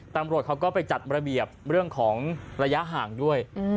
ตำรวจเขาก็ไปจัดระเบียบเรื่องของระยะห่างด้วย